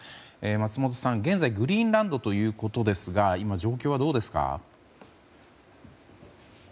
松本さん、現在グリーンランドということですが今、状況はどうですか？